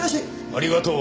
ありがとう。